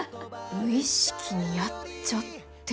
無意識にやっちゃってる？